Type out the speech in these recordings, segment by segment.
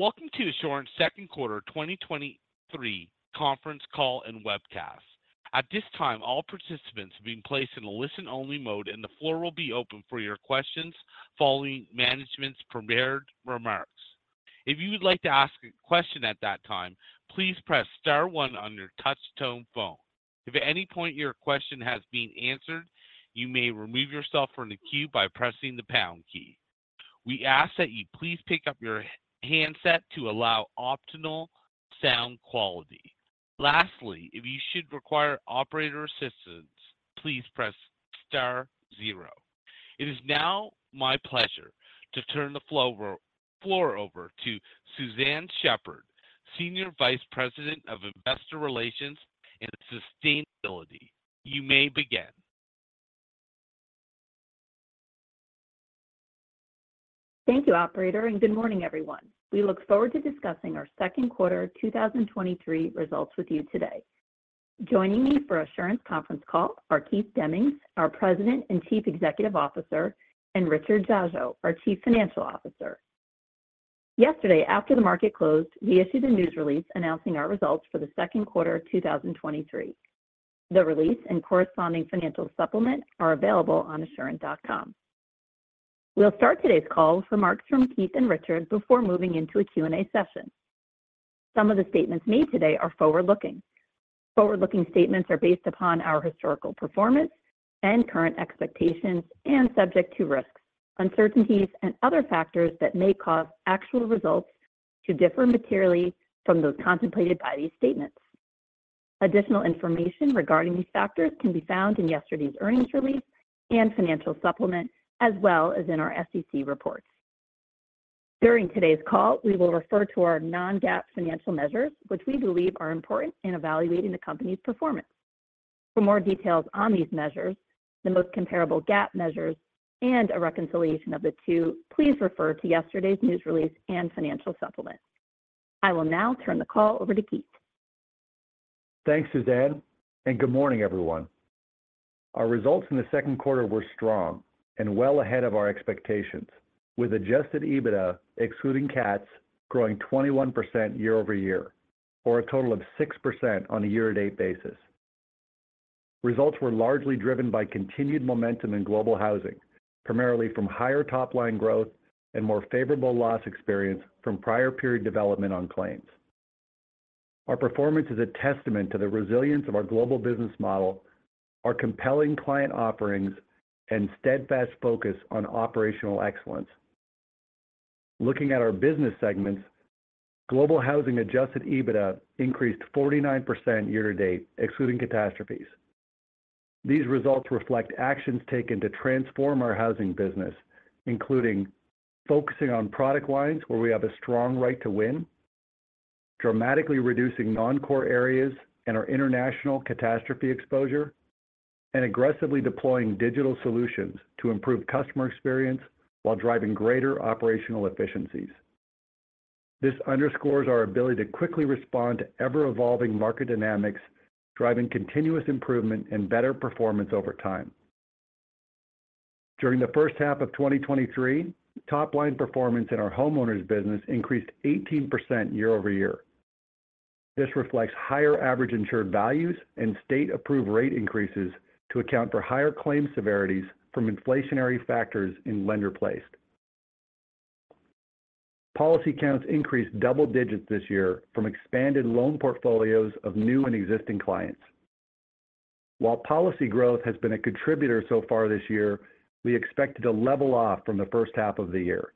Welcome to Assurant's Second Quarter 2023 Conference Call and Webcast. At this time, all participants are being placed in a listen-only mode, and the floor will be open for your questions following management's prepared remarks. If you would like to ask a question at that time, please press star one on your touchtone phone. If at any point your question has been answered, you may remove yourself from the queue by pressing the pound key. We ask that you please pick up your handset to allow optimal sound quality. Lastly, if you should require operator assistance, please press star zero. It is now my pleasure to turn the floor over to Suzanne Shepherd, Senior Vice President of Investor Relations and Sustainability. You may begin. Thank you, operator, and good morning, everyone. We look forward to discussing our second quarter 2023 results with you today. Joining me for Assurant's conference call are Keith Demmings, our President and Chief Executive Officer, and Richard Dziadzio, our Chief Financial Officer. Yesterday, after the market closed, we issued a news release announcing our results for the second quarter of 2023. The release and corresponding financial supplement are available on assurant.com. We'll start today's call with remarks from Keith and Richard before moving into a Q&A session. Some of the statements made today are forward-looking. Forward-looking statements are based upon our historical performance and current expectations and subject to risks, uncertainties, and other factors that may cause actual results to differ materially from those contemplated by these statements. Additional information regarding these factors can be found in yesterday's earnings release and financial supplement, as well as in our SEC report. During today's call, we will refer to our non-GAAP financial measures, which we believe are important in evaluating the company's performance. For more details on these measures, the most comparable GAAP measures, and a reconciliation of the two, please refer to yesterday's news release and financial supplement. I will now turn the call over to Keith. Thanks, Suzanne. Good morning, everyone. Our results in the second quarter were strong and well ahead of our expectations, with adjusted EBITDA, excluding cats, growing 21% year-over-year or a total of 6% on a year-to-date basis. Results were largely driven by continued momentum in Global Housing, primarily from higher top-line growth and more favorable loss experience from prior period development on claims. Our performance is a testament to the resilience of our global business model, our compelling client offerings, and steadfast focus on operational excellence. Looking at our business segments, Global Housing adjusted EBITDA increased 49% year-to-date, excluding catastrophes. These results reflect actions taken to transform our Global Housing business, including focusing on product lines where we have a strong right to win, dramatically reducing non-core areas and our international catastrophe exposure, and aggressively deploying digital solutions to improve customer experience while driving greater operational efficiencies. This underscores our ability to quickly respond to ever-evolving market dynamics, driving continuous improvement and better performance over time. During the first half of 2023, top-line performance in our Global Housing business increased 18% year-over-year. This reflects higher average insured values and state-approved rate increases to account for higher claim severities from inflationary factors in lender-placed insurance. Policy counts increased double digits this year from expanded loan portfolios of new and existing clients. While policy growth has been a contributor so far this year, we expect it to level off from the first half of the year.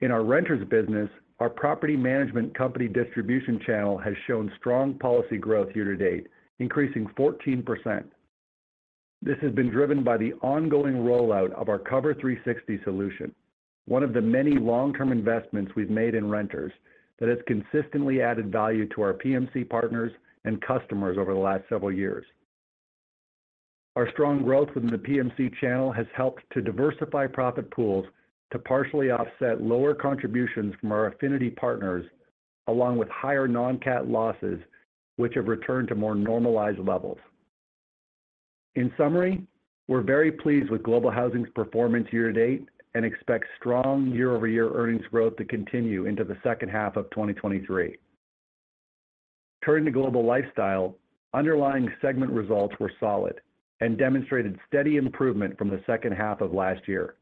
In our renters business, our property management company distribution channel has shown strong policy growth year-to-date, increasing 14%. This has been driven by the ongoing rollout of our Cover360 solution, one of the many long-term investments we've made in renters that has consistently added value to our PMC partners and customers over the last several years. Our strong growth in the PMC channel has helped to diversify profit pools to partially offset lower contributions from our affinity partners, along with higher non-cat losses, which have returned to more normalized levels. In summary, we're very pleased with Global Housing's performance year-to-date and expect strong year-over-year earnings growth to continue into the second half of 2023. Turning to Global Lifestyle, underlying segment results were solid and demonstrated steady improvement from the second half of last year.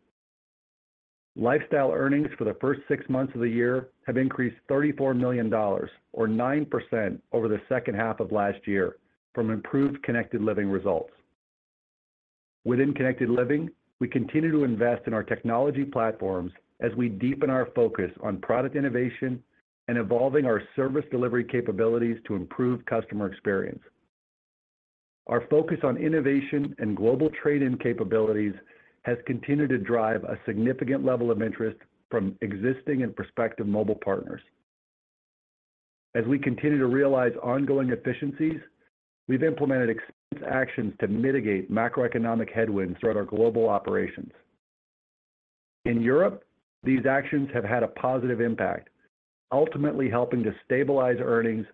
Lifestyle earnings for the first six months of the year have increased $34 million or 9% over the second half of last year from improved Connected Living results. Within Connected Living, we continue to invest in our technology platforms as we deepen our focus on product innovation and evolving our service delivery capabilities to improve customer experience. Our focus on innovation and global trade-in capabilities has continued to drive a significant level of interest from existing and prospective mobile partners. As we continue to realize ongoing efficiencies, we've implemented expense actions to mitigate macroeconomic headwinds throughout our global operations. In Europe, these actions have had a positive impact, ultimately helping to stabilize earnings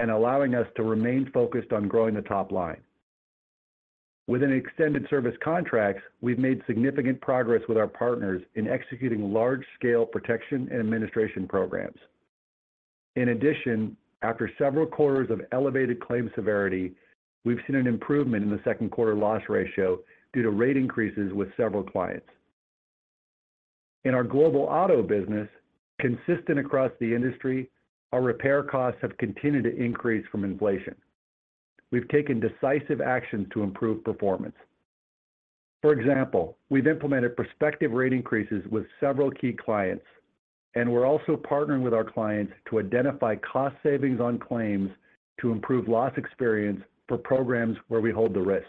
and allowing us to remain focused on growing the top line. Within extended service contracts, we've made significant progress with our partners in executing large-scale protection and administration programs. In addition, after several quarters of elevated claim severity, we've seen an improvement in the second quarter loss ratio due to rate increases with several clients. In our Global Auto business, consistent across the industry, our repair costs have continued to increase from inflation. We've taken decisive action to improve performance. For example, we've implemented prospective rate increases with several key clients, and we're also partnering with our clients to identify cost savings on claims to improve loss experience for programs where we hold the risk.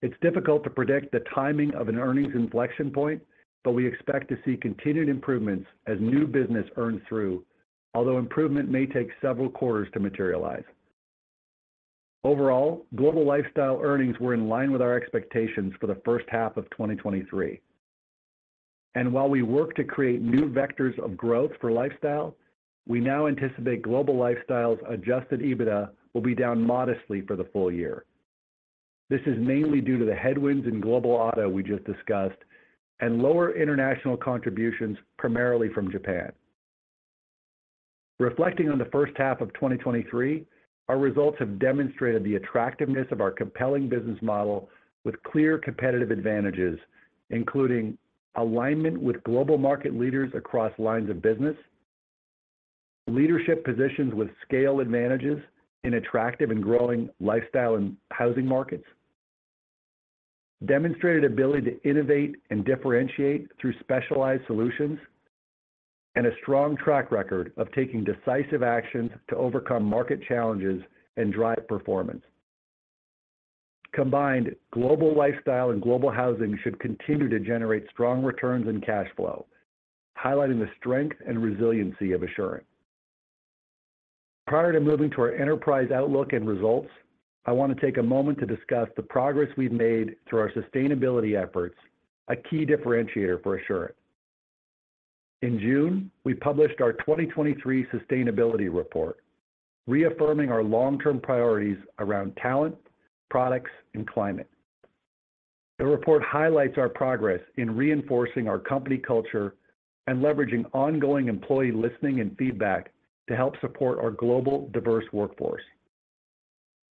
It's difficult to predict the timing of an earnings inflection point, but we expect to see continued improvements as new business earns through, although improvement may take several quarters to materialize. Overall, Global Lifestyle earnings were in line with our expectations for the first half of 2023. While we work to create new vectors of growth for Lifestyle, we now anticipate Global Lifestyle's adjusted EBITDA will be down modestly for the full year. This is mainly due to the headwinds in Global Auto we just discussed, and lower international contributions, primarily from Japan. Reflecting on the first half of 2023, our results have demonstrated the attractiveness of our compelling business model with clear competitive advantages, including alignment with global market leaders across lines of business, leadership positions with scale advantages in attractive and growing lifestyle and housing markets, demonstrated ability to innovate and differentiate through specialized solutions, and a strong track record of taking decisive actions to overcome market challenges and drive performance. Combined, Global Lifestyle and Global Housing should continue to generate strong returns and cash flow, highlighting the strength and resiliency of Assurant. Prior to moving to our enterprise outlook and results, I want to take a moment to discuss the progress we've made through our sustainability efforts, a key differentiator for Assurant. In June, we published our 2023 sustainability report, reaffirming our long-term priorities around talent, products, and climate. The report highlights our progress in reinforcing our company culture and leveraging ongoing employee listening and feedback to help support our global diverse workforce.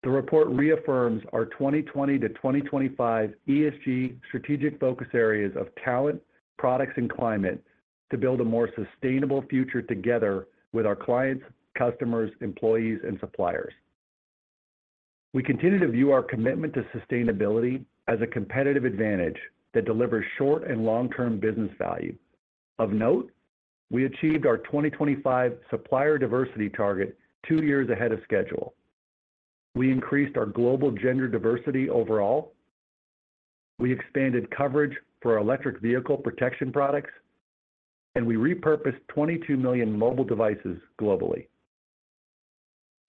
The report reaffirms our 2020 to 2025 ESG strategic focus areas of talent, products, and climate, to build a more sustainable future together with our clients, customers, employees and suppliers. We continue to view our commitment to sustainability as a competitive advantage that delivers short and long-term business value. Of note, we achieved our 2025 supplier diversity target two years ahead of schedule. We increased our global gender diversity overall. We expanded coverage for our electric vehicle protection products, and we repurposed 22 million mobile devices globally.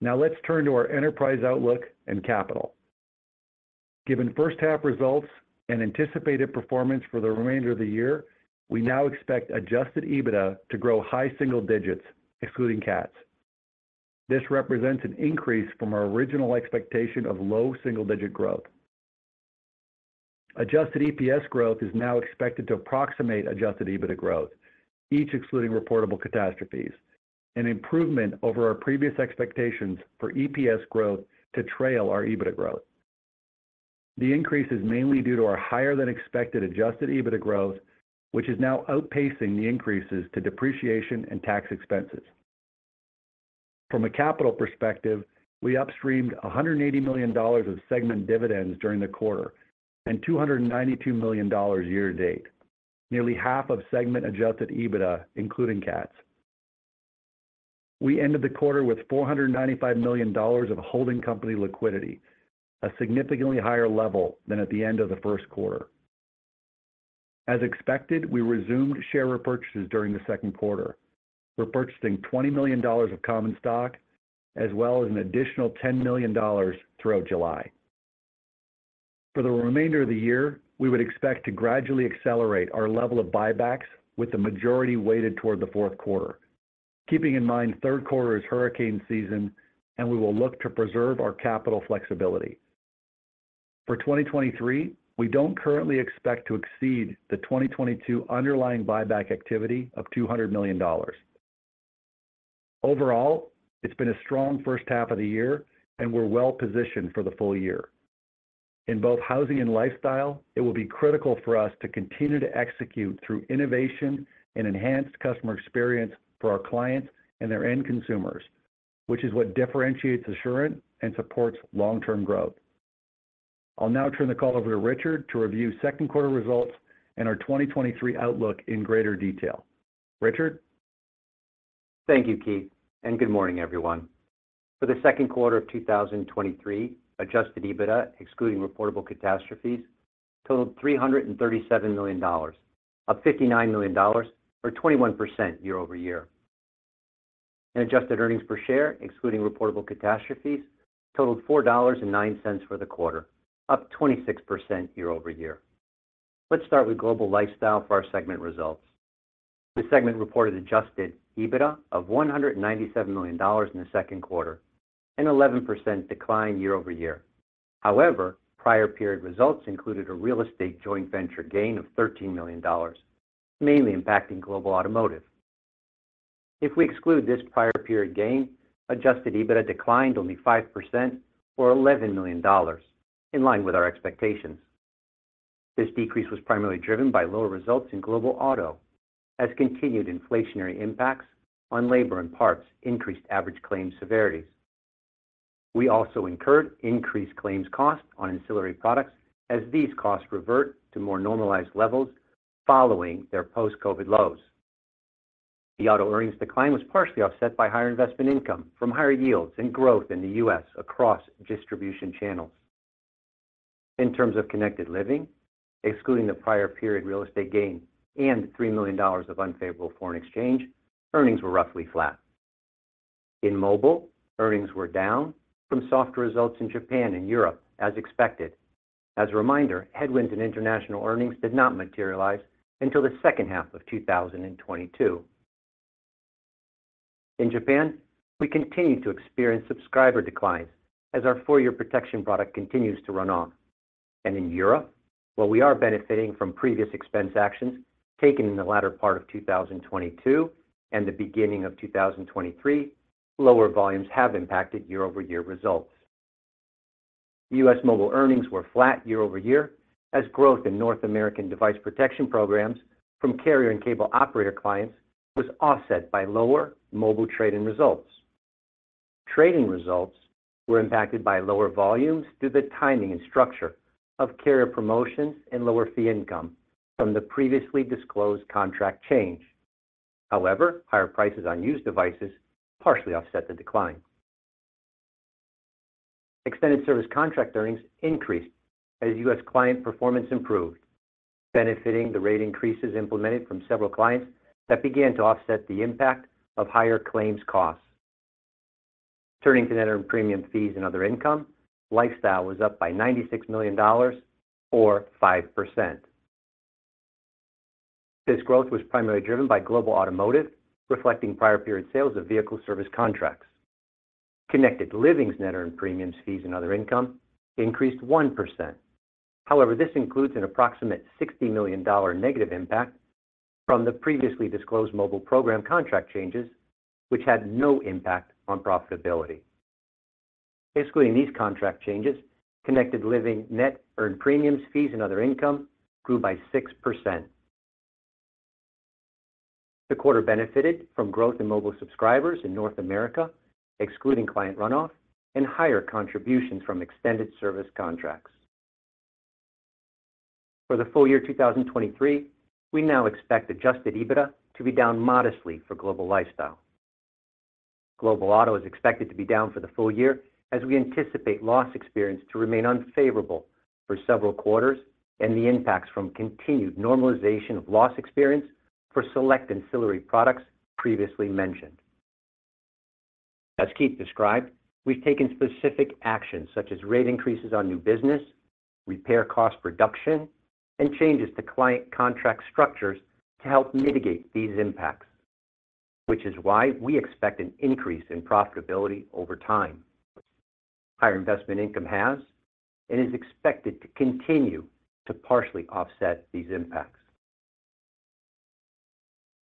Let's turn to our enterprise outlook and capital. Given first half results and anticipated performance for the remainder of the year, we now expect adjusted EBITDA to grow high single digits, excluding cats. This represents an increase from our original expectation of low single-digit growth. Adjusted EPS growth is now expected to approximate adjusted EBITDA growth, each excluding reportable catastrophes, an improvement over our previous expectations for EPS growth to trail our EBITDA growth. The increase is mainly due to our higher than expected adjusted EBITDA growth, which is now outpacing the increases to depreciation and tax expenses. From a capital perspective, we upstreamed $180 million of segment dividends during the quarter, and $292 million year to date, nearly half of segment adjusted EBITDA, including cats. We ended the quarter with $495 million of holding company liquidity, a significantly higher level than at the end of the first quarter. As expected, we resumed share repurchases during the second quarter. We're purchasing $20 million of common stock, as well as an additional $10 million throughout July. For the remainder of the year, we would expect to gradually accelerate our level of buybacks, with the majority weighted toward the fourth quarter. Keeping in mind, third quarter is hurricane season, and we will look to preserve our capital flexibility. For 2023, we don't currently expect to exceed the 2022 underlying buyback activity of $200 million. Overall, it's been a strong first half of the year, and we're well positioned for the full year. In both Housing and Lifestyle, it will be critical for us to continue to execute through innovation and enhanced customer experience for our clients and their end consumers, which is what differentiates Assurant and supports long-term growth. I'll now turn the call over to Richard to review second quarter results and our 2023 outlook in greater detail. Richard? Thank you, Keith, and good morning, everyone. For the second quarter of 2023, adjusted EBITDA, excluding reportable catastrophes, totaled $337 million, up $59 million, or 21% year-over-year. Adjusted earnings per share, excluding reportable catastrophes, totaled $4.09 for the quarter, up 26% year-over-year. Let's start with Global Lifestyle for our segment results. The segment reported adjusted EBITDA of $197 million in the second quarter, an 11% decline year-over-year. However, prior period results included a real estate joint venture gain of $13 million, mainly impacting Global Automotive. If we exclude this prior period gain, adjusted EBITDA declined only 5% or $11 million, in line with our expectations. This decrease was primarily driven by lower results in Global Auto as continued inflationary impacts on labor and parts increased average claims severities. We also incurred increased claims costs on ancillary products as these costs revert to more normalized levels following their post-COVID lows. The Auto earnings decline was partially offset by higher investment income from higher yields and growth in the U.S. across distribution channels. In terms of Connected Living, excluding the prior period real estate gain and $3 million of unfavorable foreign exchange, earnings were roughly flat. In mobile, earnings were down from soft results in Japan and Europe, as expected. As a reminder, headwinds in international earnings did not materialize until the second half of 2022. In Japan, we continued to experience subscriber declines as our four-year protection product continues to run off. In Europe, while we are benefiting from previous expense actions taken in the latter part of 2022 and the beginning of 2023, lower volumes have impacted year-over-year results. US mobile earnings were flat year-over-year, as growth in North American device protection programs from carrier and cable operator clients was offset by lower mobile trade-in results. Trade-in results were impacted by lower volumes due to the timing and structure of carrier promotions and lower fee income from the previously disclosed contract change. Higher prices on used devices partially offset the decline. Extended service contract earnings increased as U.S. client performance improved, benefiting the rate increases implemented from several clients that began to offset the impact of higher claims costs. Turning to net earned premiums, fees and other income, Lifestyle was up by $96 million or 5%. This growth was primarily driven by Global Automotive, reflecting prior period sales of vehicle service contracts. Connected Living, net earned premiums, fees and other income increased 1%. However, this includes an approximate $60 million negative impact from the previously disclosed mobile program contract changes, which had no impact on profitability. Excluding these contract changes, Connected Living, net earned premiums, fees and other income grew by 6%. The quarter benefited from growth in mobile subscribers in North America, excluding client runoff and higher contributions from extended service contracts. For the full year 2023, we now expect adjusted EBITDA to be down modestly for Global Lifestyle. Global Auto is expected to be down for the full year as we anticipate loss experience to remain unfavorable for several quarters, and the impacts from continued normalization of loss experience for select ancillary products previously mentioned. As Keith described, we've taken specific actions such as rate increases on new business, repair cost reduction, and changes to client contract structures to help mitigate these impacts, which is why we expect an increase in profitability over time. Higher investment income has and is expected to continue to partially offset these impacts.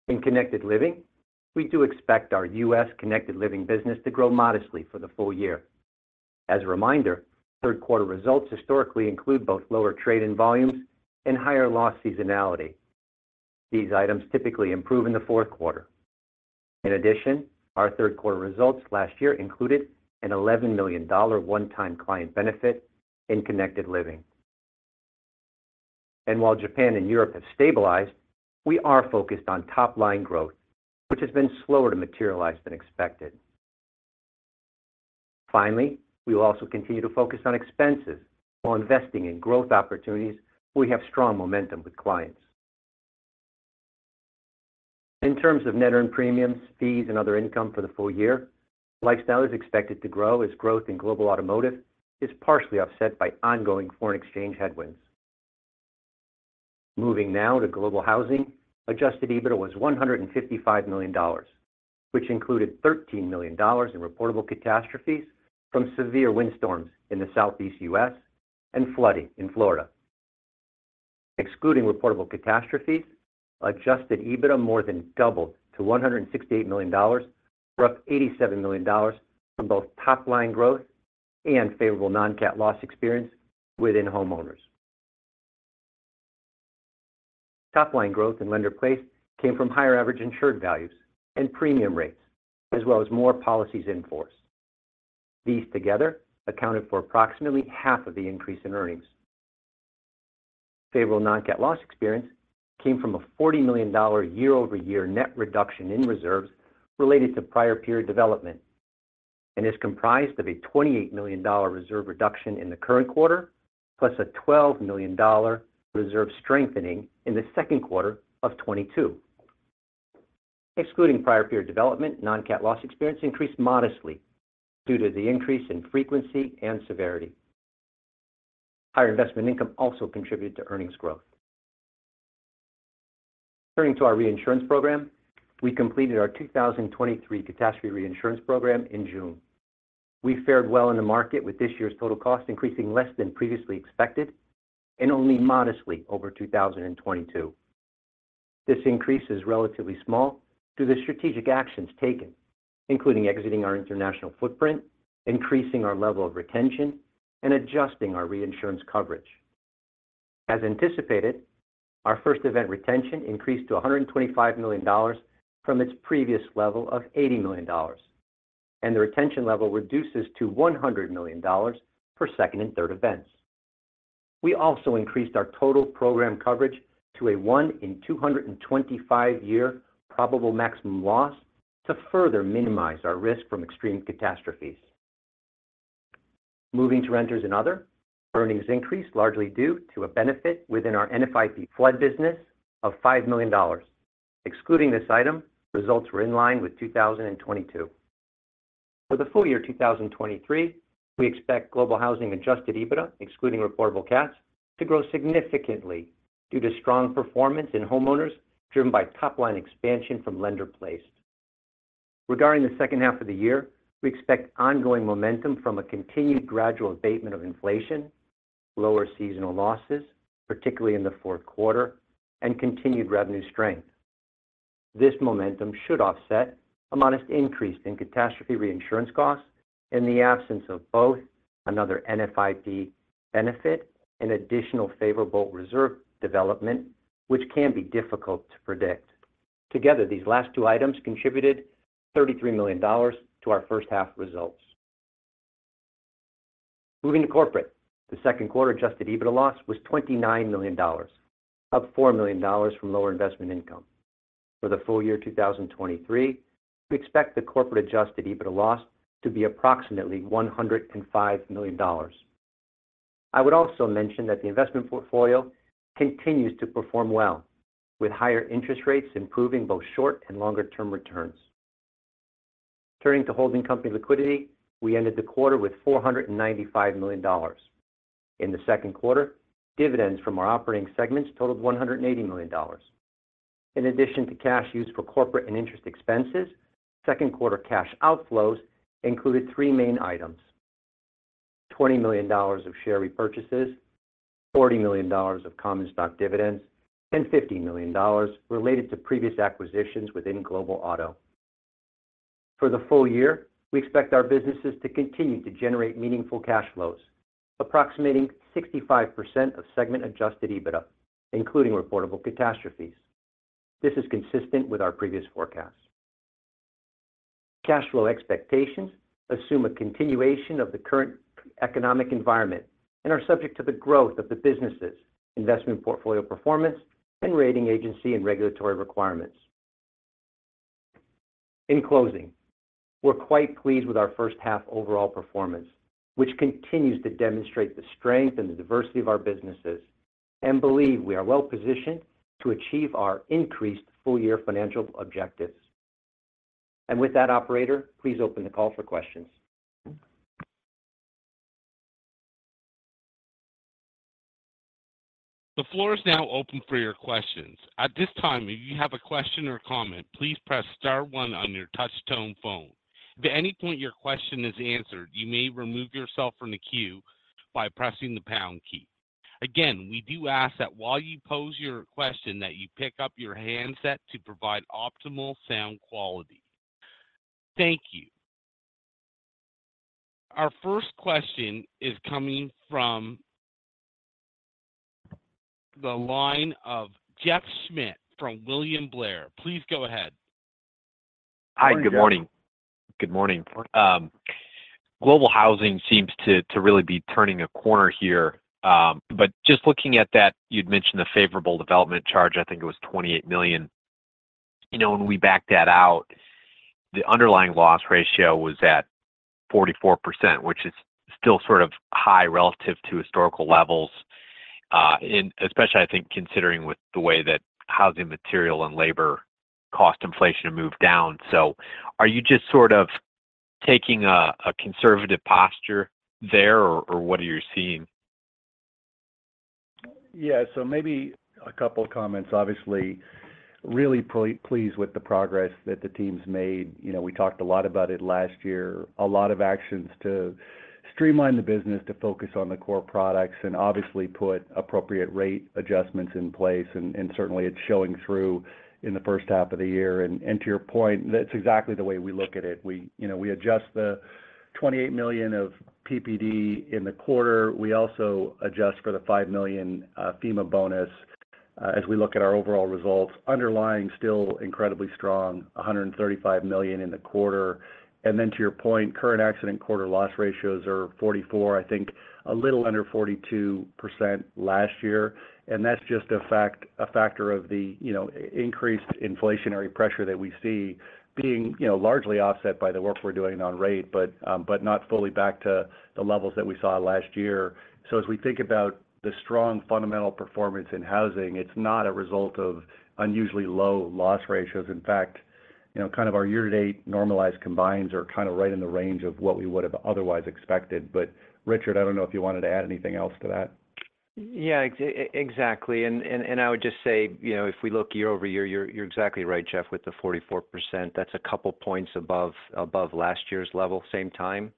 In Connected Living, we do expect our U.S. Connected Living business to grow modestly for the full year. As a reminder, third quarter results historically include both lower trade-in volumes and higher loss seasonality. These items typically improve in the fourth quarter. In addition, our third quarter results last year included an $11 million one-time client benefit in Connected Living. While Japan and Europe have stabilized, we are focused on top-line growth, which has been slower to materialize than expected. Finally, we will also continue to focus on expenses while investing in growth opportunities where we have strong momentum with clients. In terms of net earned premiums, fees, and other income for the full year, lifestyle is expected to grow as growth in Global Automotive is partially offset by ongoing foreign exchange headwinds. Moving now to Global Housing, adjusted EBITDA was $155 million, which included $13 million in reportable catastrophes from severe windstorms in the Southeast U.S. and flooding in Florida. Excluding reportable catastrophes, adjusted EBITDA more than doubled to $168 million, or up $87 million from both top-line growth and favorable non-cat loss experience within homeowners. Top line growth in lender-placed came from higher average insured values and premium rates, as well as more policies in force. These together accounted for approximately half of the increase in earnings. Favorable non-cat loss experience came from a $40 million year-over-year net reduction in reserves related to Prior Period Development, is comprised of a $28 million reserve reduction in the current quarter, plus a $12 million reserve strengthening in the second quarter of 2022. Excluding Prior Period Development, non-cat loss experience increased modestly due to the increase in frequency and severity. Higher investment income also contributed to earnings growth. Turning to our reinsurance program, we completed our 2023 catastrophe reinsurance program in June. We fared well in the market, with this year's total cost increasing less than previously expected and only modestly over 2022. This increase is relatively small due to strategic actions taken, including exiting our international footprint, increasing our level of retention, and adjusting our reinsurance coverage. As anticipated, our first event retention increased to $125 million from its previous level of $80 million, and the retention level reduces to $100 million for second and third events. We also increased our total program coverage to a 1 in 225 year Probable Maximum Loss to further minimize our risk from extreme catastrophes. Moving to renters and other, earnings increased largely due to a benefit within our NFIP flood business of $5 million. Excluding this item, results were in line with 2022. For the full year 2023, we expect Global Housing adjusted EBITDA, excluding reportable cats, to grow significantly due to strong performance in homeowners, driven by top-line expansion from lender-placed. Regarding the second half of the year, we expect ongoing momentum from a continued gradual abatement of inflation, lower seasonal losses, particularly in the fourth quarter, and continued revenue strength. This momentum should offset a modest increase in catastrophe reinsurance costs in the absence of both another NFIP benefit and additional favorable reserve development, which can be difficult to predict. Together, these last two items contributed $33 million to our first half results. Moving to corporate. The second quarter adjusted EBITDA loss was $29 million, up $4 million from lower investment income. For the full year 2023, we expect the corporate adjusted EBITDA loss to be approximately $105 million. I would also mention that the investment portfolio continues to perform well, with higher interest rates improving both short and longer term returns. Turning to holding company liquidity, we ended the quarter with $495 million. In the second quarter, dividends from our operating segments totaled $180 million. In addition to cash used for corporate and interest expenses, second quarter cash outflows included three main items: $20 million of share repurchases, $40 million of common stock dividends, and $50 million related to previous acquisitions within Global Auto. For the full year, we expect our businesses to continue to generate meaningful cash flows, approximating 65% of segment adjusted EBITDA, including reportable catastrophes. This is consistent with our previous forecast. Cash flow expectations assume a continuation of the current economic environment and are subject to the growth of the businesses, investment portfolio performance, and rating agency and regulatory requirements. In closing, we're quite pleased with our first half overall performance, which continues to demonstrate the strength and the diversity of our businesses, and believe we are well positioned to achieve our increased full-year financial objectives. With that, operator, please open the call for questions. The floor is now open for your questions. At this time, if you have a question or comment, please press star one on your touch tone phone. If at any point your question is answered, you may remove yourself from the queue by pressing the pound key. We do ask that while you pose your question, that you pick up your handset to provide optimal sound quality. Thank you. Our first question is coming from the line of Jeff Schmitt from William Blair. Please go ahead. Hi, good morning. Good morning. Global Housing seems to, to really be turning a corner here. Just looking at that, you'd mentioned the favorable development charge, I think it was $28 million. You know, when we back that out, the underlying loss ratio was at 44%, which is still sort of high relative to historical levels, and especially, I think, considering with the way that housing material and labor cost inflation have moved down. Are you just sort of taking a, a conservative posture there, or, or what are you seeing? Yeah. Maybe a couple of comments. Obviously, really pleased with the progress that the teams made. You know, we talked a lot about it last year. A lot of actions to streamline the business, to focus on the core products, obviously put appropriate rate adjustments in place, and certainly it's showing through in the first half of the year. To your point, that's exactly the way we look at it. We, you know, we adjust the $28 million of PPD in the quarter. We also adjust for the $5 million FEMA bonus as we look at our overall results. Underlying, still incredibly strong, $135 million in the quarter. To your point, current accident quarter loss ratios are 44%, I think a little under 42% last year. That's just a fact, a factor of the, you know, increased inflationary pressure that we see being, you know, largely offset by the work we're doing on rate, but not fully back to the levels that we saw last year. As we think about the strong fundamental performance in housing, it's not a result of unusually low loss ratios. In fact, you know, kind of our year-to-date normalized combines are kind of right in the range of what we would have otherwise expected. Richard, I don't know if you wanted to add anything else to that? Yeah, exactly. I would just say, you know, if we look year-over-year, you're, you're exactly right, Jeff Schmitt, with the 44%. That's a couple points above, above last year's level, same time.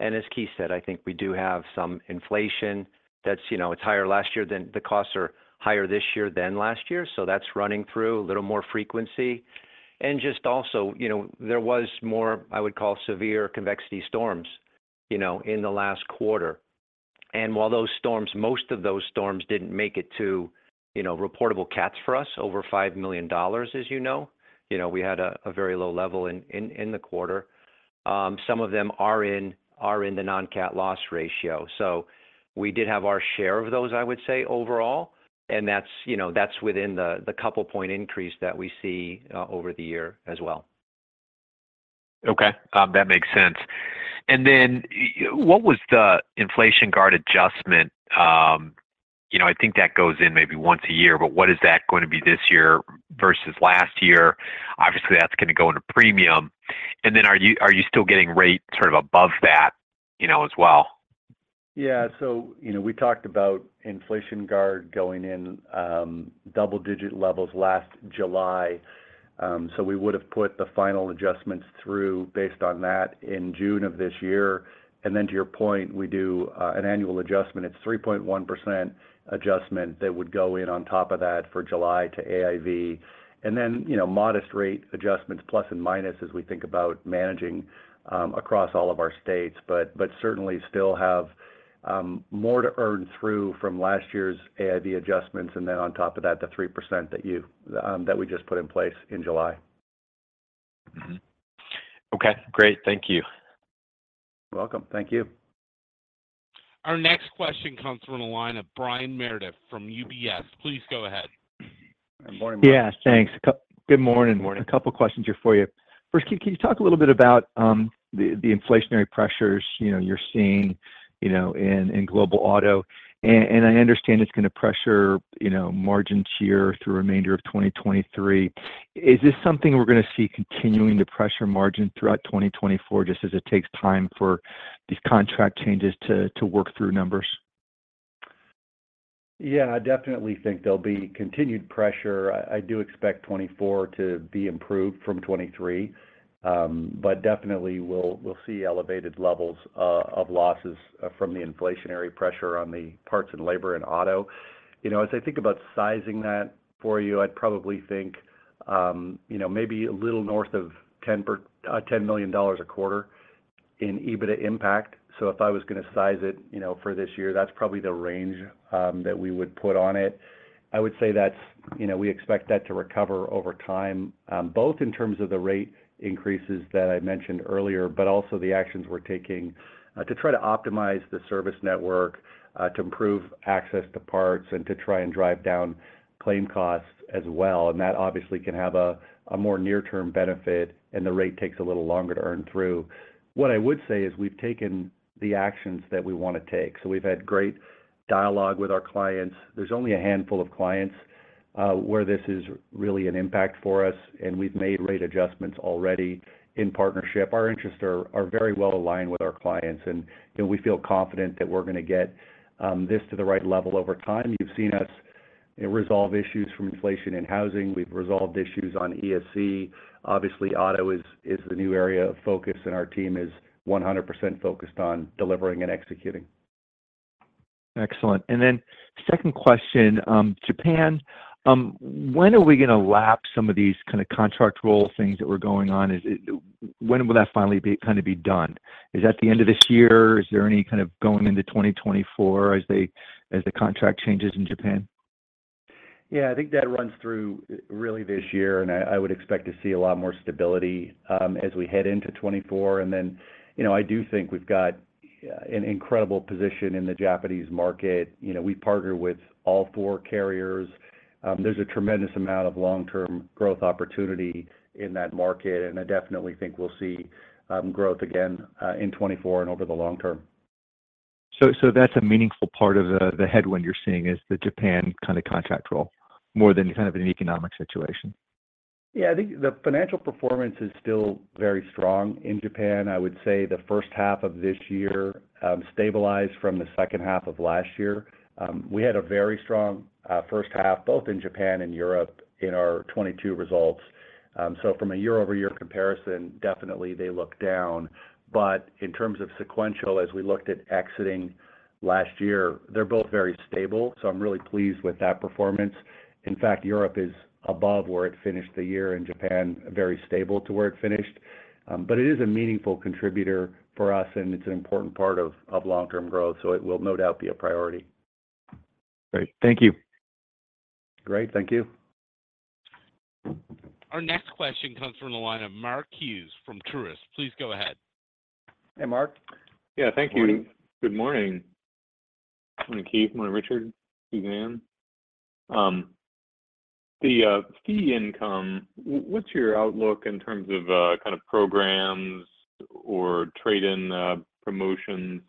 As Keith Demmings said, I think we do have some inflation that's, you know, it's higher last year than the costs are higher this year than last year, so that's running through a little more frequency. Just also, you know, there was more, I would call, severe convective storms, you know, in the last quarter. While those storms most of those storms didn't make it to, you know, reportable cats for us, over $5 million, as you know, you know, we had a, a very low level in, in, in the quarter. Some of them are in, are in the non-cat loss ratio. We did have our share of those, I would say, overall, and that's, you know, that's within the, the couple point increase that we see over the year as well. Okay. That makes sense. What was the inflation guard adjustment? You know, I think that goes in maybe once a year, but what is that going to be this year versus last year? Obviously, that's going to go into premium. Are you, are you still getting rate sort of above that, you know, as well? Yeah. You know, we talked about inflation guard going in, double-digit levels last July. We would have put the final adjustments through based on that in June of this year. To your point, we do, an annual adjustment. It's 3.1% adjustment that would go in on top of that for July to AIV. You know, modest rate adjustments, plus and minus, as we think about managing, across all of our states. Certainly still have, more to earn through from last year's AIV adjustments, and then on top of that, the 3% that we just put in place in July. Mm-hmm. Okay, great. Thank you. You're welcome. Thank you. Our next question comes from the line of Brian Meredith from UBS. Please go ahead. Good morning, Brian. Yeah, thanks. Good morning. Morning. A couple questions here for you. First, can, can you talk a little bit about, the, the inflationary pressures, you know, you're seeing, you know, in, in Global Automotive? I understand it's going to pressure, you know, margins here through the remainder of 2023. Is this something we're going to see continuing to pressure margin throughout 2024, just as it takes time for these contract changes to, to work through numbers? Yeah, I definitely think there'll be continued pressure. I, I do expect 2024 to be improved from 2023. Definitely we'll, we'll see elevated levels of losses from the inflationary pressure on the parts and labor in auto. You know, as I think about sizing that for you, I'd probably think, you know, maybe a little north of $10 million a quarter in EBITDA impact. If I was going to size it, you know, for this year, that's probably the range, that we would put on it. I would say that's, you know, we expect that to recover over time, both in terms of the rate increases that I mentioned earlier, but also the actions we're taking to try to optimize the service network, to improve access to parts and to try and drive down claim costs as well. That obviously can have a, a more near-term benefit, and the rate takes a little longer to earn through. What I would say is, we've taken the actions that we want to take, so we've had great dialogue with our clients. There's only a handful of clients where this is really an impact for us, and we've made rate adjustments already in partnership. Our interests are, are very well aligned with our clients, and, you know, we feel confident that we're going to get this to the right level over time. You've seen us resolve issues from inflation in housing. We've resolved issues on EFC. Obviously, auto is, is the new area of focus, and our team is 100% focused on delivering and executing. Excellent. Then second question, Japan, when are we going to lap some of these kind of contract role things that were going on? When will that finally be kind of be done? Is that the end of this year? Is there any kind of going into 2024 as the, as the contract changes in Japan? Yeah, I think that runs through really this year, and I, I would expect to see a lot more stability as we head into 2024. You know, I do think we've got an incredible position in the Japanese market. You know, we partner with all four carriers. There's a tremendous amount of long-term growth opportunity in that market, and I definitely think we'll see growth again in 2024 and over the long term. so that's a meaningful part of the, the headwind you're seeing is the Japan kind of contract role, more than kind of an economic situation? Yeah. I think the financial performance is still very strong in Japan. I would say the first half of this year stabilized from the second half of last year. We had a very strong first half, both in Japan and Europe, in our 2022 results. From a year-over-year comparison, definitely they look down. In terms of sequential, as we looked at exiting last year, they're both very stable, so I'm really pleased with that performance. In fact, Europe is above where it finished the year, and Japan, very stable to where it finished. It is a meaningful contributor for us, and it's an important part of, of long-term growth, so it will no doubt be a priority. Great. Thank you. Great. Thank you. Our next question comes from the line of Mark Hughes from Truist. Please go ahead. Hey, Mark. Yeah. Thank you. Morning. Good morning. Morning, Keith. Morning, Richard, Suzanne. The fee income, what's your outlook in terms of kind of programs or trade-in promotions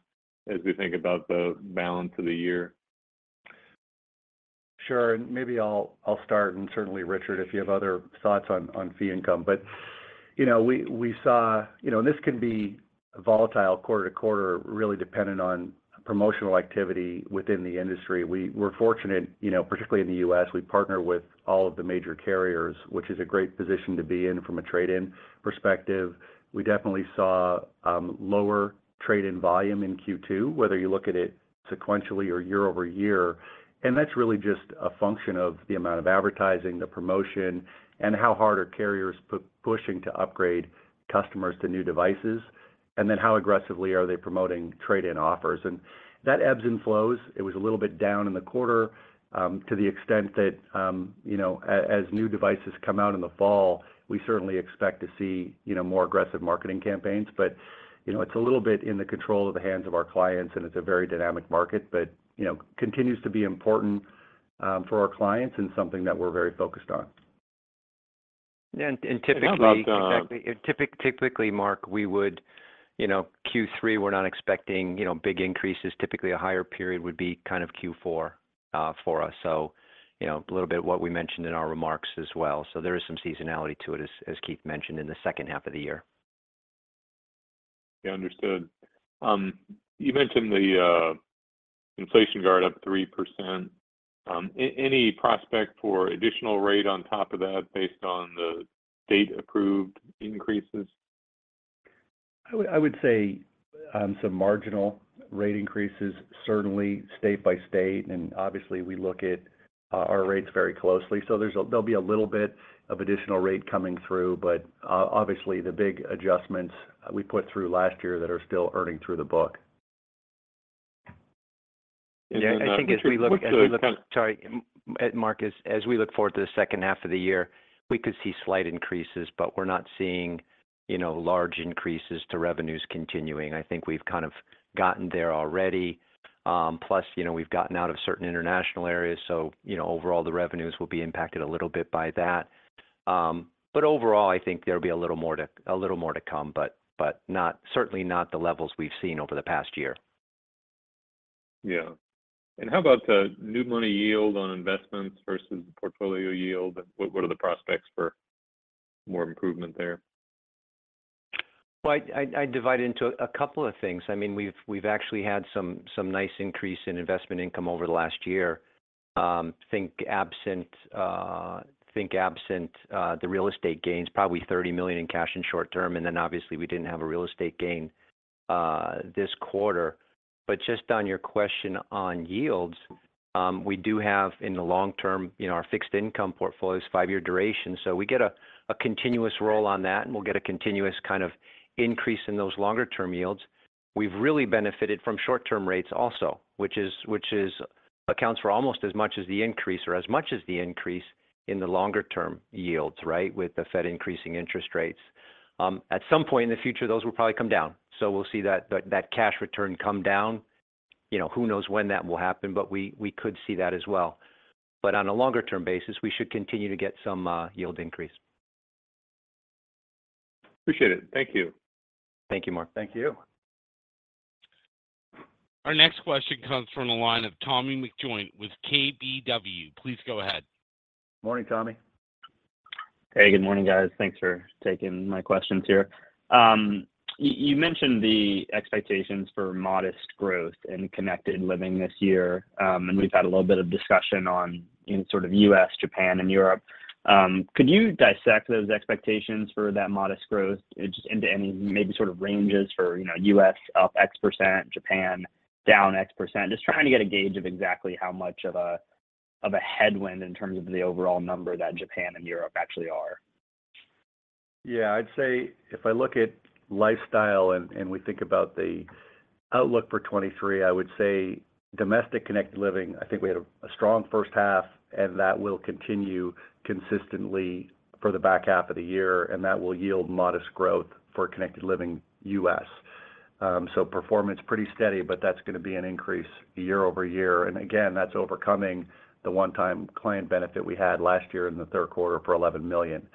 as we think about the balance of the year? Sure, and maybe I'll, I'll start, and certainly, Richard, if you have other thoughts on, on fee income. You know, we saw. You know, this can be volatile quarter to quarter, really dependent on promotional activity within the industry. We're fortunate, you know, particularly in the U.S., we partner with all of the major carriers, which is a great position to be in from a trade-in perspective. We definitely saw lower trade-in volume in Q2, whether you look at it sequentially or year-over-year. That's really just a function of the amount of advertising, the promotion, and how hard are carriers pushing to upgrade customers to new devices. Then how aggressively are they promoting trade-in offers? That ebbs and flows. It was a little bit down in the quarter, to the extent that, you know, as new devices come out in the fall, we certainly expect to see, you know, more aggressive marketing campaigns. You know, it's a little bit in the control of the hands of our clients, and it's a very dynamic market, but, you know, continues to be important for our clients and something that we're very focused on. Yeah, typically. How about, Exactly. Typically, Mark, we would, you know, Q3, we're not expecting, you know, big increases. Typically, a higher period would be kind of Q4 for us. You know, a little bit what we mentioned in our remarks as well. There is some seasonality to it, as Keith mentioned, in the second half of the year. Yeah, understood. You mentioned the inflation guard up 3%. Any prospect for additional rate on top of that, based on the state-approved increases? I would, I would say, some marginal rate increases, certainly state by state, and obviously, we look at our, our rates very closely. There'll be a little bit of additional rate coming through, but obviously, the big adjustments we put through last year that are still earning through the book. And then, uh, I think- I think as we look, as we look, sorry, Mark, as, as we look forward to the second half of the year, we could see slight increases, but we're not seeing, you know, large increases to revenues continuing. I think we've kind of gotten there already. You know, we've gotten out of certain international areas, so, you know, overall, the revenues will be impacted a little bit by that. Overall, I think there'll be a little more to, a little more to come, but, but not, certainly not the levels we've seen over the past year. Yeah. How about the new money yield on investments versus the portfolio yield? What, what are the prospects for more improvement there? Well, I, I, I divide it into a couple of things. I mean, we've, we've actually had some, some nice increase in investment income over the last year. think absent, think absent, the real estate gains, probably $30 million in cash and short term, and then obviously we didn't have a real estate gain, this quarter. Just on your question on yields, we do have, in the long term, you know, our fixed income portfolio is five-year duration, so we get a, a continuous roll on that, and we'll get a continuous kind of increase in those longer-term yields. We've really benefited from short-term rates also, which is, which is accounts for almost as much as the increase or as much as the increase in the longer-term yields, right? With the Fed increasing interest rates. At some point in the future, those will probably come down. We'll see that, that, that cash return come down. You know, who knows when that will happen, but we, we could see that as well. On a longer-term basis, we should continue to get some yield increase. Appreciate it. Thank you. Thank you, Mark. Thank you. Our next question comes from the line of Thomas McJoynt-Griffith with KBW. Please go ahead. Morning, Tommy. Hey, good morning, guys. Thanks for taking my questions here. You mentioned the expectations for modest growth in Connected Living this year, we've had a little bit of discussion on in sort of U.S., Japan, and Europe. Could you dissect those expectations for that modest growth into any maybe sort of ranges for, you know, U.S. up X%, Japan down X%? Just trying to get a gauge of exactly how much of a, of a headwind in terms of the overall number that Japan and Europe actually are. Yeah, I'd say if I look at lifestyle and, and we think about the outlook for 2023, I would say domestic Connected Living, I think we had a strong first half, and that will continue consistently for the back half of the year, and that will yield modest growth for Connected Living U.S. Performance pretty steady, but that's going to be an increase year-over-year, and again, that's overcoming the one-time client benefit we had last year in the third quarter for $11 million.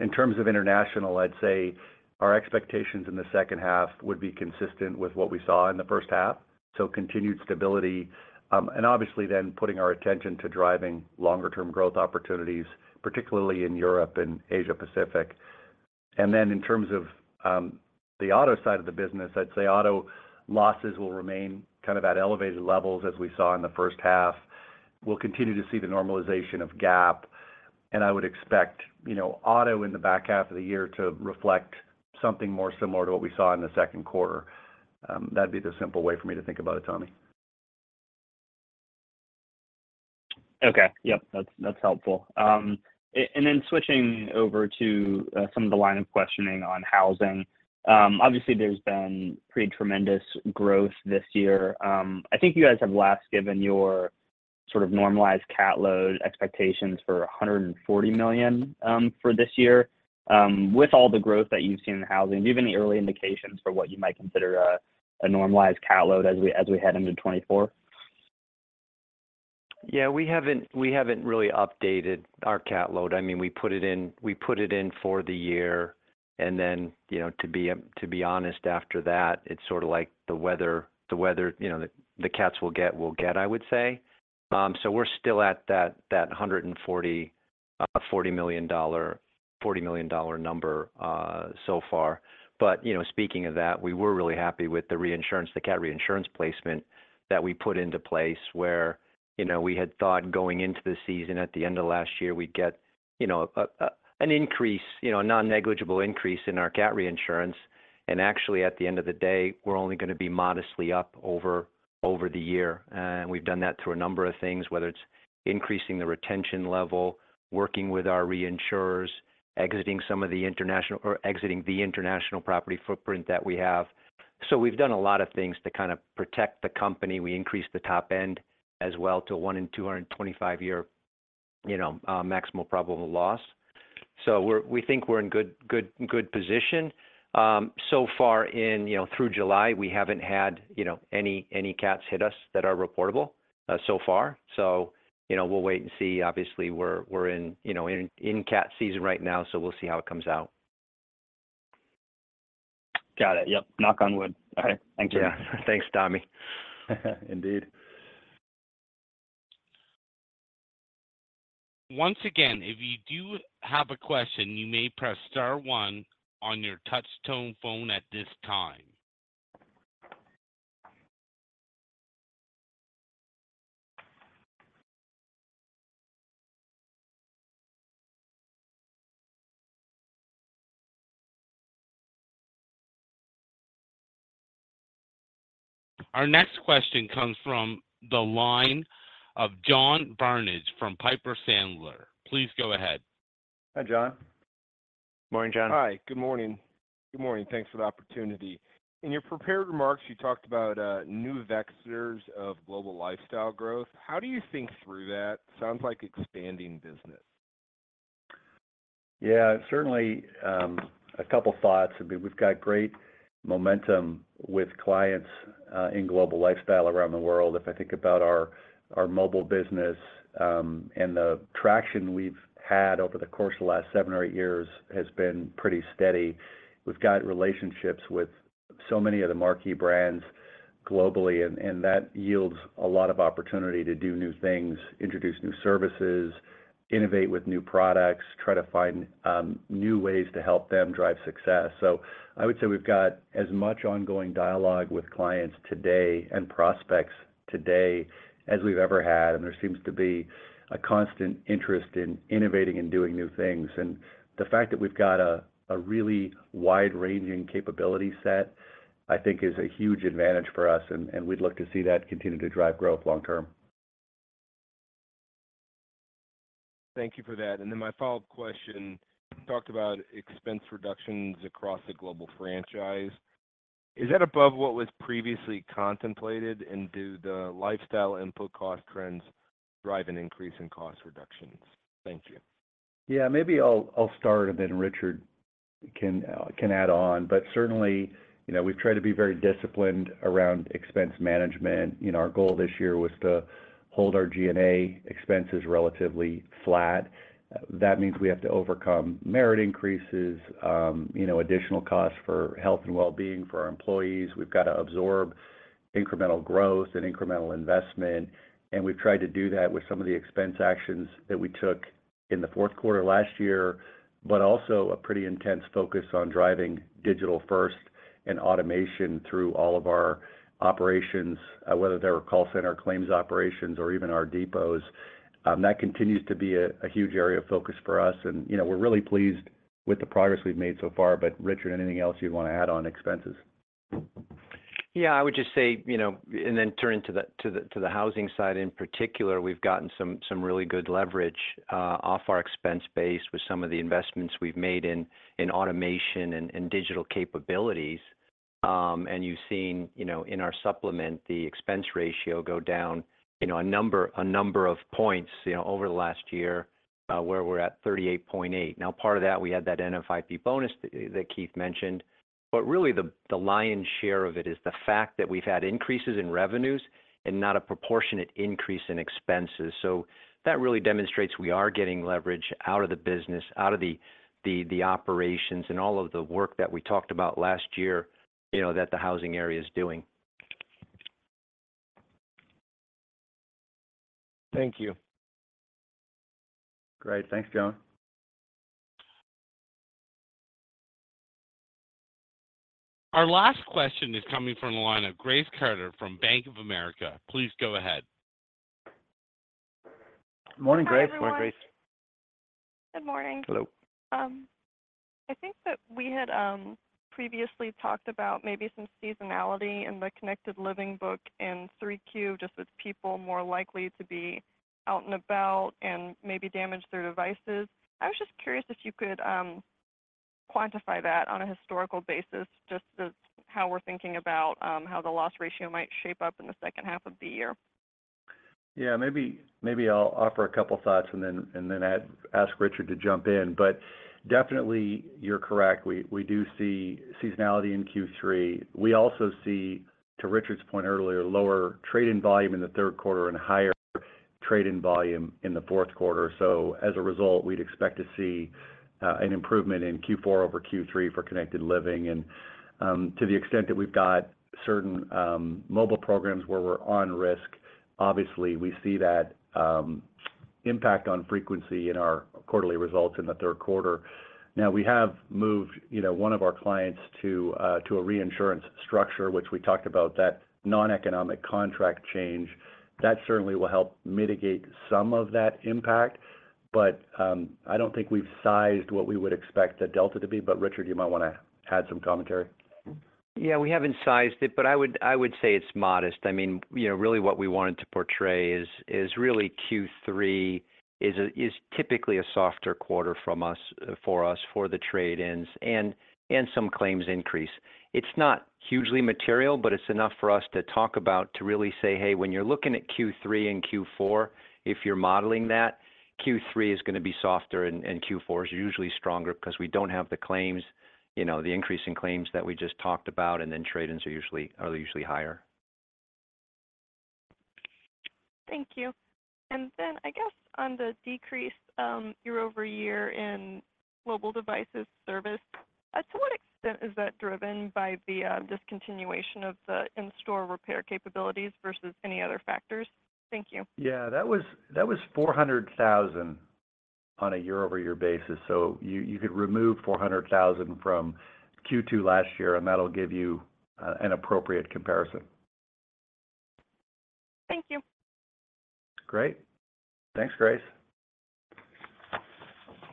In terms of international, I'd say our expectations in the second half would be consistent with what we saw in the first half, so continued stability. Obviously then putting our attention to driving longer-term growth opportunities, particularly in Europe and Asia Pacific. Then in terms of, the auto side of the business, I'd say auto losses will remain kind of at elevated levels, as we saw in the first half. We'll continue to see the normalization of GAP, and I would expect, you know, auto in the back half of the year to reflect something more similar to what we saw in the second quarter. That'd be the simple way for me to think about it, Tommy. Okay. Yep, that's, that's helpful. And then switching over to some of the line of questioning on housing. Obviously, there's been pretty tremendous growth this year. I think you guys have last given your sort of normalized cat load expectations for $140 million for this year. With all the growth that you've seen in housing, do you have any early indications for what you might consider a normalized cat load as we head into 2024? Yeah, we haven't, we haven't really updated our cat load. I mean, we put it in, we put it in for the year.... Then, you know, to be, to be honest, after that, it's sort of like the weather, the weather, you know, the, the cats will get, will get, I would say. So we're still at that, that 140, $40 million, $40 million number, so far. You know, speaking of that, we were really happy with the reinsurance, the cat reinsurance placement that we put into place where, you know, we had thought going into the season at the end of last year, we'd get, you know, a, a, an increase, you know, a non-negligible increase in our cat reinsurance. Actually, at the end of the day, we're only gonna be modestly up over, over the year. We've done that through a number of things, whether it's increasing the retention level, working with our reinsurers, exiting some of the international or exiting the international property footprint that we have. We've done a lot of things to kind of protect the company. We increased the top end as well to one in 225 year, you know, Probable Maximum Loss. We think we're in good, good, good position. So far in, you know, through July, we haven't had, you know, any, any cats hit us that are reportable so far. You know, we'll wait and see. Obviously, we're, we're in, you know, in, in cat season right now, we'll see how it comes out. Got it. Yep. Knock on wood. All right, thank you. Yeah. Thanks, Tommy. Indeed. Once again, if you do have a question, you may press star 1 on your touch tone phone at this time. Our next question comes from the line of John Barnidge from Piper Sandler. Please go ahead. Hi, John. Morning, John. Hi, good morning. Good morning. Thanks for the opportunity. In your prepared remarks, you talked about new vectors of Global Lifestyle growth. How do you think through that? Sounds like expanding business. Yeah, certainly, a couple thoughts. I mean, we've got great momentum with clients in Global Lifestyle around the world. If I think about our, our mobile business, and the traction we've had over the course of the last seven or 8 years has been pretty steady. We've got relationships with so many of the marquee brands globally, and, and that yields a lot of opportunity to do new things, introduce new services, innovate with new products, try to find new ways to help them drive success. So I would say we've got as much ongoing dialogue with clients today and prospects today as we've ever had, and there seems to be a constant interest in innovating and doing new things. The fact that we've got a really wide-ranging capability set, I think is a huge advantage for us, and we'd look to see that continue to drive growth long term. Thank you for that. Then my follow-up question, you talked about expense reductions across the global franchise. Is that above what was previously contemplated? Do the Lifestyle input cost trends drive an increase in cost reductions? Thank you. Yeah, maybe I'll, I'll start and then Richard can add on. Certainly, you know, we've tried to be very disciplined around expense management. You know, our goal this year was to hold our G&A expenses relatively flat. That means we have to overcome merit increases, you know, additional costs for health and well-being for our employees. We've got to absorb incremental growth and incremental investment, and we've tried to do that with some of the expense actions that we took in the fourth quarter last year, but also a pretty intense focus on driving digital-first and automation through all of our operations, whether they were call center claims operations or even our depots. That continues to be a, a huge area of focus for us. You know, we're really pleased with the progress we've made so far. Richard, anything else you'd want to add on expenses? Yeah, I would just say, you know, then turn to the, to the, to the housing side in particular, we've gotten some, some really good leverage off our expense base with some of the investments we've made in, in automation and, and digital capabilities. You've seen, you know, in our supplement, the expense ratio go down, you know, a number, a number of points, you know, over the last year, where we're at 38.8. Now, part of that, we had that NFIP bonus that Keith mentioned, but really the, the lion's share of it is the fact that we've had increases in revenues and not a proportionate increase in expenses. That really demonstrates we are getting leverage out of the business, out of the, the, the operations and all of the work that we talked about last year, you know, that the housing area is doing. Thank you. Great. Thanks, John. Our last question is coming from the line of Grace Carter from Bank of America. Please go ahead. Morning, Grace. Morning, Grace. Good morning. Hello. I think that we had previously talked about maybe some seasonality in the Connected Living book in 3Q, just with people more likely to be out and about and maybe damage their devices. I was just curious if you could quantify that on a historical basis, just as how we're thinking about how the loss ratio might shape up in the second half of the year. Yeah, maybe, maybe I'll offer a couple thoughts and then, and then ask Richard to jump in. Definitely, you're correct. We, we do see seasonality in Q3. We also see, to Richard's point earlier, lower trade-in volume in the third quarter and higher trade-in volume in the fourth quarter. As a result, we'd expect to see an improvement in Q4 over Q3 for Connected Living. To the extent that we've got certain mobile programs where we're on risk, obviously, we see that impact on frequency in our quarterly results in the third quarter. Now, we have moved, you know, one of our clients to a reinsurance structure, which we talked about, that non-economic contract change. That certainly will help mitigate some of that impact, but I don't think we've sized what we would expect the delta to be. Richard, you might wanna add some commentary. Yeah, we haven't sized it, but I would, I would say it's modest. I mean, you know, really what we wanted to portray is, is really Q3 is typically a softer quarter from us, for us, for the trade-ins and, and some claims increase. It's not hugely material, but it's enough for us to talk about, to really say, "Hey, when you're looking at Q3 and Q4, if you're modeling that, Q3 is gonna be softer, and, and Q4 is usually stronger," 'cause we don't have the claims, you know, the increase in claims that we just talked about, and then trade-ins are usually, are usually higher. Thank you. I guess on the decrease, year-over-year in mobile devices service, to what extent is that driven by the discontinuation of the in-store repair capabilities versus any other factors? Thank you. Yeah, that was, that was $400,000 on a year-over-year basis. You, you could remove $400,000 from Q2 last year, and that'll give you an appropriate comparison. Thank you. Great. Thanks, Grace.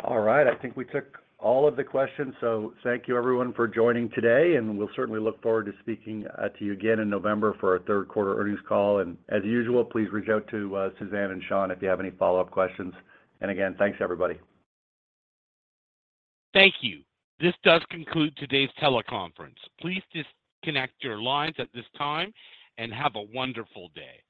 All right, I think we took all of the questions, so thank you everyone for joining today, and we'll certainly look forward to speaking to you again in November for our third quarter earnings call. And as usual, please reach out to Suzanne and Sean if you have any follow-up questions. And again, thanks, everybody. Thank you. This does conclude today's teleconference. Please disconnect your lines at this time, and have a wonderful day.